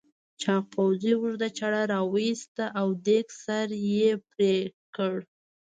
چاغ پوځي اوږده چاړه راوایسته او دېگ سر یې پرې کړ.